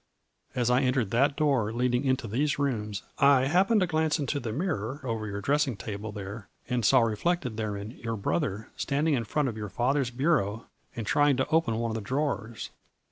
As I entered that door leading into these rooms I happened to glance into the mirror over your dressing table there, and saw reflected therein your brother standing in front of your father's bureau and trying to open one of the drawers.